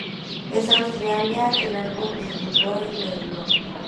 En Australia, el álbum debutó en el No.